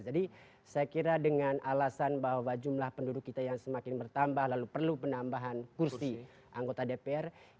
jadi saya kira dengan alasan bahwa jumlah penduduk kita yang semakin bertambah lalu perlu penambahan kursi anggota dpr